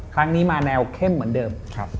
ครั้งนี้มาแนวเข้มเหมือนเดิม